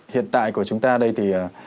hiện tại của chúng ta đây thì